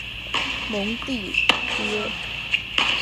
蒙蒂涅。